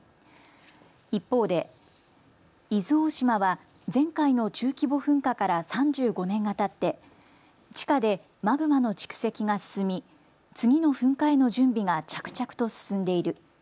一方で伊豆大島は前回の中規模噴火から３５年がたって地下でマグマの蓄積が進み次の噴火への準備が着々と進んでいる。